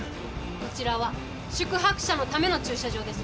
こちらは宿泊者のための駐車場です。